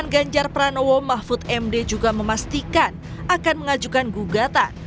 ganjar pranowo mahfud md juga memastikan akan mengajukan gugatan